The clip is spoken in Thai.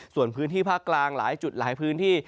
ส่วนพื้นที่ภาคกลางหลายจุดหลายพื้นที่